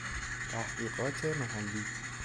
تحقیقات محلی